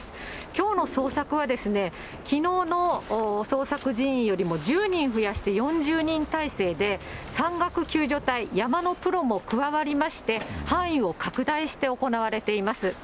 きょうの捜索は、きのうの捜索人員よりも１０人増やして４０人態勢で、山岳救助隊、山のプロも加わりまして、範囲を拡大して行われています。